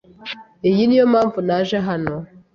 Iyi niyo mpamvu naje hano.